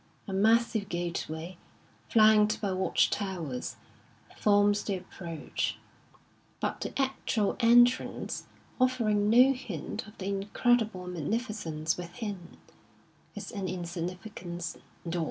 A massive gateway, flanked hy watch towers, forms the approach ; but the actual entrance, offering no hint of the incredible magni6cence within, is an insignifi cant door.